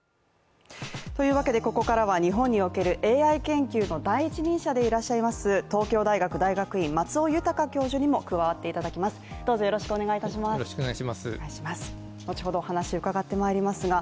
というわけでここからは日本におけるＡＩ研究の第一人者でいらっしゃいます、東京大学大学院の松尾豊教授にも加わっていただきます。